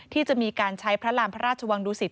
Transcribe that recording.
ที่จะมีการใช้พระรามพระราชวังดุสิต